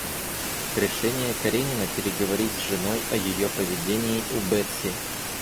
Решение Каренина переговорить с женой о ее поведении у Бетси.